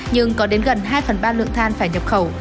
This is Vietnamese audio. nhưng có đến gần hai phần ba lượng than phải nhập khẩu